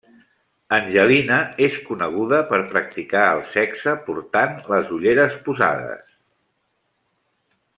Angelina és coneguda per practicar el sexe portant les ulleres posades.